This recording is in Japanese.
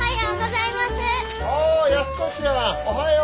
おはよう。